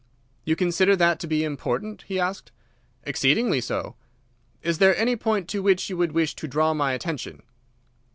"You consider that to be important?" he asked. "Exceedingly so." "Is there any point to which you would wish to draw my attention?"